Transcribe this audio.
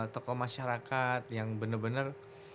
tokoh masyarakat yang bener bener